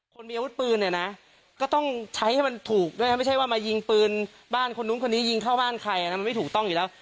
คนมีอาวุธปืนเนี่ยนะก็ต้องใช้ให้มันถูกด้วยไม่ใช่ว่ามายิงปืนบ้านคนนู้นคนนี้ยิงเข้าบ้านใครมันไม่ถูกต้องอยู่แล้ว